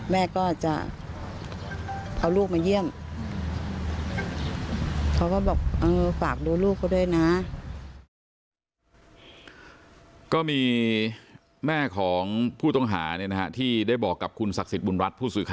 แม่ก็จะเอาลูกมาเยี่ยมเขาก็บอกเออฝากดูลูกเขาด้วยนะ